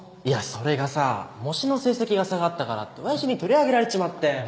いやそれがさ模試の成績が下がったからって親父に取り上げられちまって